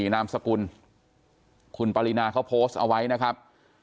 นามสกุลคุณปรินาเขาโพสต์เอาไว้นะครับ